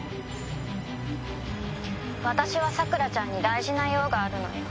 私はさくらちゃんに大事な用があるのよ。